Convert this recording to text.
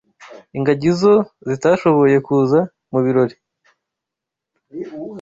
Ingagi zo zitashoboye kuza mu birori